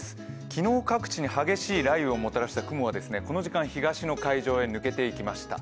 昨日各地に激しい雷雨をもたらした雲は、この時間、東の海上へ抜けていきました。